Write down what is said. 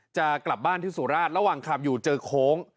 จะกลับบ้านที่สุราชระหว่างขับอยู่เจอโค้ง